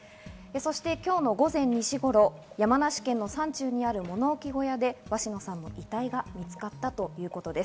今日の午前２時頃、山梨県の山中にある物置小屋で鷲野さんの遺体が見つかったということです。